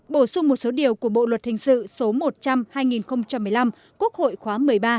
bổ sung một số điều của bộ luật hình sự số một trăm linh hai nghìn một mươi năm quốc hội khóa một mươi ba